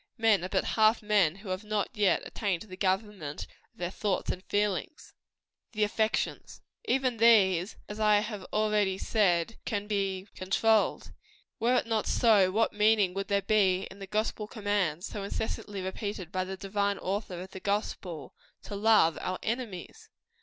Men are but half men who have not yet attained to the government of their thoughts and feelings. THE AFFECTIONS. Even these, as I have already said, can be controlled. Were it not so, what meaning would there be in the gospel commands so incessantly repeated by the divine Author of the gospel to love our _enemies?